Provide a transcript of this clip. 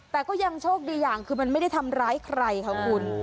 แต่ก็ยังโชคดีอย่างคือมันไม่ได้ทำร้ายใครค่ะคุณ